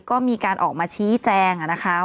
ก็มีการออกมาชี้แจงนะคะ